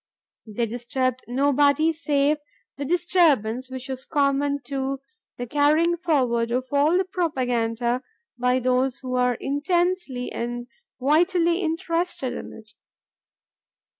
They disturbed nobody save that disturbance which is common to the carrying forward of all propaganda by those who are intensely and vitally interested in it.